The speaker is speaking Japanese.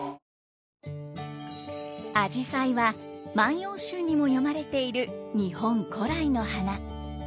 あじさいは「万葉集」にも詠まれている日本古来の花。